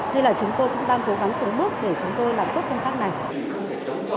nên là chúng tôi cũng đang cố gắng từng bước để chúng tôi làm tốt công tác này